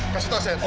kasih tahu saya